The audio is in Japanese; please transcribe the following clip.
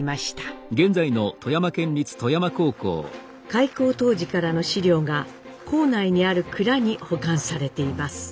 開校当時からの史料が校内にある蔵に保管されています。